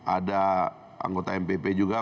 ada anggota mpp juga